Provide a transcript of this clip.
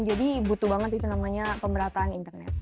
jadi butuh banget itu namanya pemerataan internet